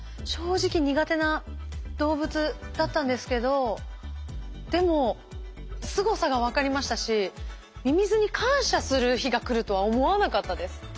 正直苦手な動物だったんですけどでもすごさが分かりましたしミミズに感謝する日が来るとは思わなかったです。